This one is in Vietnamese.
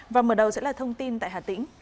và mở đầu sẽ là thông tin tại hà tĩnh